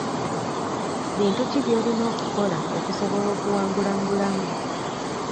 Bintu ki by'olina okukola okusobola okuwangula mu bulamu?